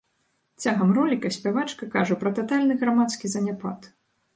Цягам роліка спявачка кажа пра татальны грамадскі заняпад.